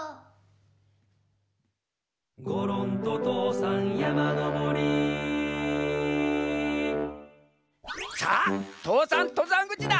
「ごろんととうさんやまのぼり」さあ父山とざんぐちだ。